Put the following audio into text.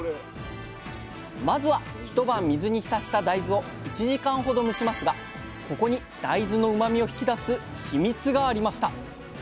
まずは一晩水に浸した大豆を１時間ほど蒸しますがここに大豆のうまみを引き出すヒミツがありました